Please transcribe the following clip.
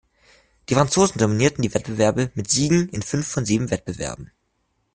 Die Franzosen dominierten die Wettbewerbe mit Siegen in fünf von sieben Wettbewerben.